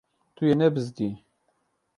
Tu yê nebizdî.